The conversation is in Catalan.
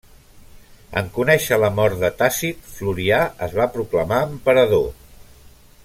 En conèixer la mort de Tàcit, Florià es va proclamar emperador.